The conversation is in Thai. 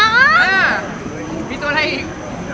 เออมีตัวอะไรอีก